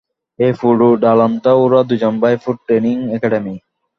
এই পোড়ো দালানটা ওর দুজন ভাইপোর ট্রেনিং অ্যাকাডেমি।